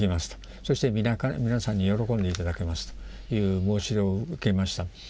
「そして皆さんに喜んで頂けます」という申し出を受けました。